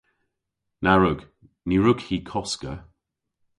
Na wrug. Ny wrug hi koska.